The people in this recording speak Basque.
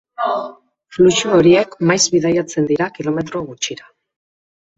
Fluxu horiek maiz bidaiatzen dira kilometro gutxira.